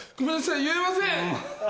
言えません。